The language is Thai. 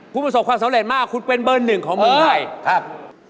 คุณประสบความสำเร็จมากคุณเป็นเบอร์หนึ่งของเมืองไทยครับ